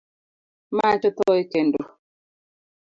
Mach otho e kendo